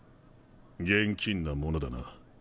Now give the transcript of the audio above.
現金なものだな。